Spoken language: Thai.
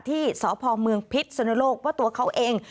ที่สพเมืองพิษสนโลกว่าตัวเขาเอง